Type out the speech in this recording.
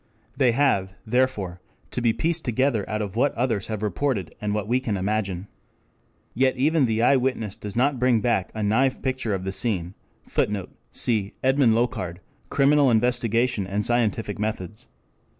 They have, therefore, to be pieced together out of what others have reported and what we can imagine. Yet even the eyewitness does not bring back a naéve picture of the scene. [Footnote: E. g. cf. Edmond Locard, _L'Enquête Criminelle et les Méthodes Scientifiques.